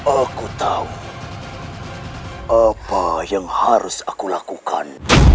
aku tahu apa yang harus aku lakukan